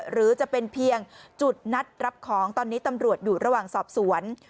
หรือจะเป็นเพียงจุดนัดรับของตอนนี้ตำรวจอยู่ระหว่างสอบสวน